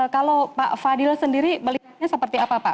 kalau pak fadil sendiri melihatnya seperti apa pak